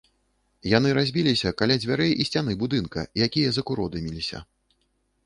Яны разбіліся каля дзвярэй і сцяны будынка, якія закуродымілася.